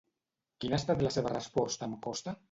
Quina ha estat la seva resposta amb Costa?